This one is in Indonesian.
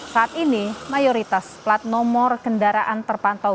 saat ini mayoritas plat nomor kendaraan terpantau